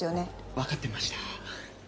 分かってました。